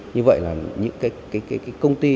như vậy là những cái công ty